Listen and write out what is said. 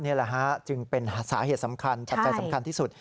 นี่แหละฮะจึงเป็นสาเหตุสำคัญปัจจัยสำคัญที่สุด